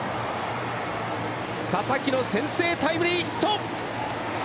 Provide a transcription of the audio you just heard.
佐々木の先制タイムリーヒット。